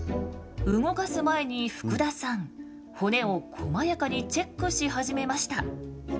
動かす前に福田さん骨をこまやかにチェックし始めました。